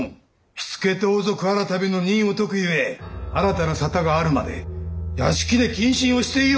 火付盗賊改の任を解くゆえ新たな沙汰があるまで屋敷で謹慎をしていよ。